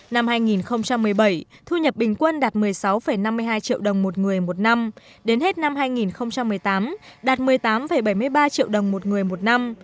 năm hai nghìn một mươi bảy thu nhập bình quân đạt một mươi sáu năm mươi hai triệu đồng một người một năm đến hết năm hai nghìn một mươi tám đạt một mươi tám bảy mươi ba triệu đồng một người một năm